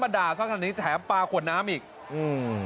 ด่าสักขนาดนี้แถมปลาขวดน้ำอีกอืม